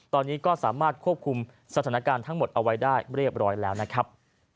ตอนนี้ก็สามารถควบคุมสถานการณ์ทั้งหมดเอาไว้ได้เรียบร้อยแล้วนะครับ